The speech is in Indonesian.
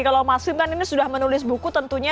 kalau mas wim kan ini sudah menulis buku tentunya